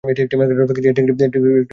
এটি একটি meta package.